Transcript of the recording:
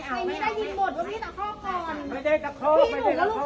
ฉันก็เลยมาใส่วันที่เรามารับเงินเพราะฉันรู้จักเขาไง